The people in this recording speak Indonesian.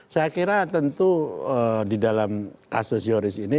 saya kira tentu di dalam kasus yoris ini